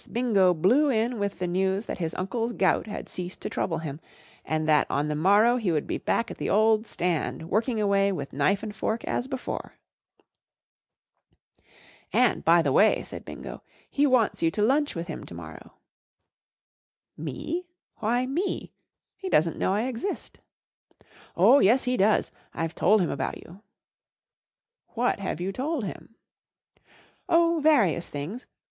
Bingo blew in with the news that his uncle's gout had ceased to sfX' 1 trouble him, Pv 1 and that on ""*1 *™ jMLtw the morrow he would be back at the old stand work¬ ing away with knife and fork as before. *' And, by the way," said B i n go, " he wants you to lunch with him to mor¬ row/ 1 "Me? Why m e ? He doesn't know I exist." "Oh, yes* he does. I've told him about you." " W hat have you told him ?" "Oh, vari¬ ous things.